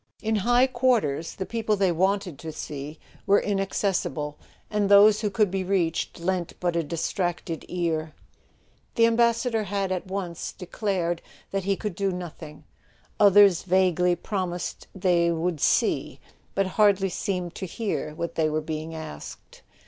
In high quarters the people they wanted to see were inaccessible; and those who could be reached lent but a distracted ear. The Ambassador had at once declared that he could do nothing; others vaguely promised they "would see"—but hardly seemed to hear what they were being asked.